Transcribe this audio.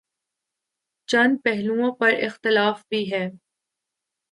چند پہلوئوں پر اختلاف بھی ہے۔